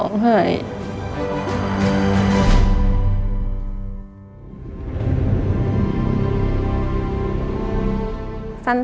มั่นคือคุณหมอ